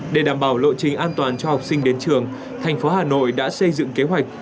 để đảm bảo lộ trình an toàn cho học sinh đến trường thành phố hà nội đã xây dựng kế hoạch